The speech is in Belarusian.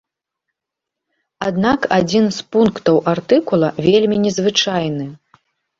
Аднак адзін з пунктаў артыкула вельмі незвычайны.